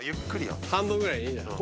半分ぐらいでいいんじゃない？